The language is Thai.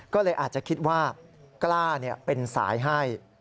ก็เลยอาจจะคิดว่ากล้าเป็นสายให้